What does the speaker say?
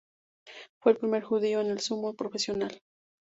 Fue el primer judío en el sumo profesional.